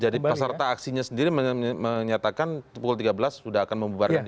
jadi pasarta aksinya sendiri menyatakan pukul tiga belas sudah akan membubarkan diri